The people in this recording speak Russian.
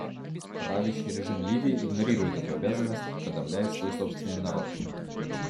Правящий режим Ливии игнорирует эту обязанность и подавляет свой собственный народ.